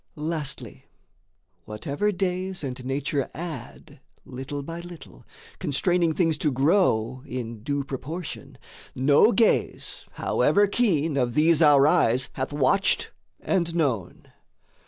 Lastly whatever days and nature add Little by little, constraining things to grow In due proportion, no gaze however keen Of these our eyes hath watched and known.